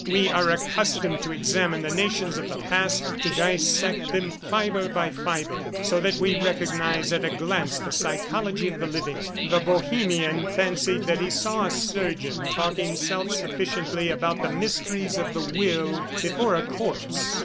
"We are accustomed to examine the nations of the past, to dissect them fibre by fibre, so that we recognize at a glance the psychology of the living." The Bohemian fancied that he saw a surgeon talking self sufficiently about the mysteries of the will before a corpse.